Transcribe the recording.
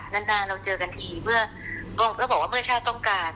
นานเราเจอกันทีเมื่อบอกว่าเมื่อชาติต้องการ